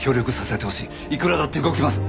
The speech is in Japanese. いくらだって動きます。